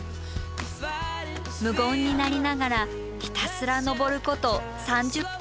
無言になりながらひたすら登ること３０分。